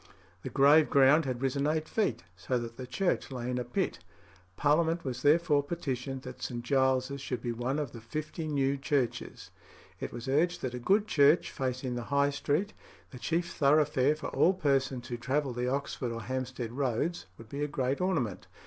The grave ground had risen eight feet, so that the church lay in a pit. Parliament was therefore petitioned that St. Giles's should be one of the fifty new churches. It was urged that a good church facing the High Street, the chief thoroughfare for all persons who travelled the Oxford or Hampstead roads, would be a great ornament.